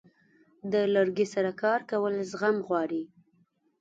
د لرګي سره کار کول زغم غواړي.